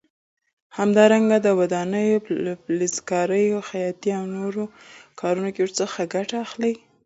همدارنګه د ودانیو، فلزکارۍ، خیاطۍ او نورو کارونو کې ورڅخه ګټه اخلي.